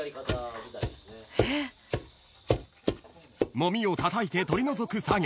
［もみをたたいて取り除く作業］